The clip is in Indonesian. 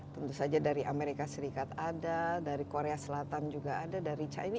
tentu saja dari amerika serikat ada dari korea selatan juga ada dari china